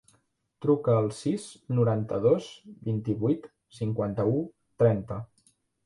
Truca al sis, noranta-dos, vint-i-vuit, cinquanta-u, trenta.